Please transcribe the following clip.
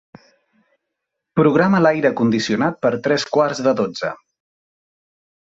Programa l'aire condicionat per a tres quarts de dotze.